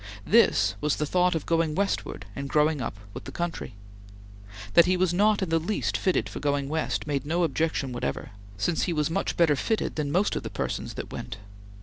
This was the thought of going westward and growing up with the country. That he was not in the least fitted for going West made no objection whatever, since he was much better fitted than most of the persons that went.